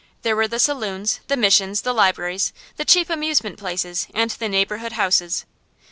There were the saloons, the missions, the libraries, the cheap amusement places, and the neighborhood houses.